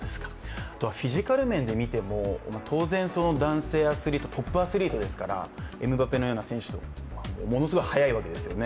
フィジカル面で見ても、当然男性アスリート、トップアスリートですからエムバペのような選手、ものすごく速いわけですよね。